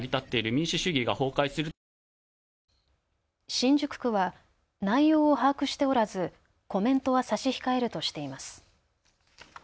新宿区は内容を把握しておらずコメントは差し控えるとしています。